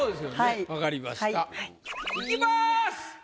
いきます。